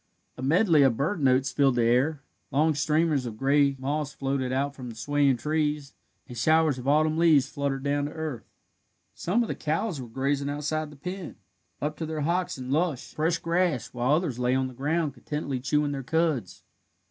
A medley of bird notes filled the air, long streamers of gray moss floated out from the swaying trees, and showers of autumn leaves fluttered down to earth. Some of the cows were grazing outside the pen, up to their hocks in lush, fresh grass, while others lay on the ground contentedly chewing their cuds.